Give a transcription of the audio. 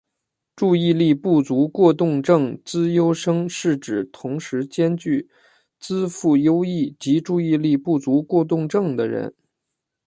注意力不足过动症资优生是指同时兼具资赋优异及注意力不足过动症的人。